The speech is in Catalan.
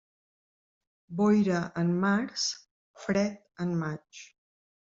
Boira en març, fred en maig.